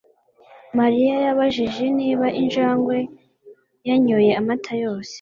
Mariya yabajije niba injangwe yanyoye amata yose